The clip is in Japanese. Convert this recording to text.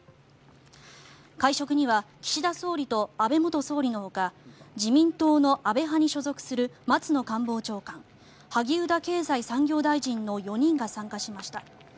会食には岸田総理と安倍元総理のほか自民党の安倍派に所属する松野官房長官萩生田経済産業大臣の４人が参加しました。